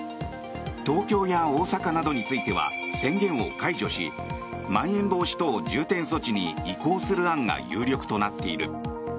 東京や大阪などについては宣言を解除しまん延防止等重点措置に移行する案が有力となっている。